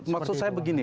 maksud saya begini